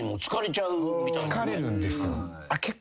疲れるんですよ。